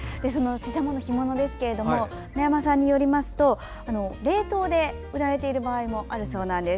シシャモの干物ですが村山さんによりますと冷凍で売られている場合もあるそうなんです。